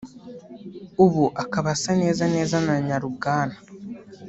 ubu akaba asa neza neza na nyarubwana